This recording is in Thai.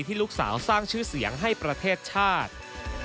ลูกสาวสร้างชื่อเสียงให้ประเทศชาติ